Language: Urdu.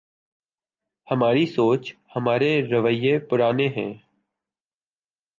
ہماری سوچ ‘ ہمارے رویے پرانے ہیں۔